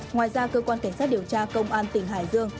ngoài ra cơ quan cảnh sát điều tra công an tỉnh hải dương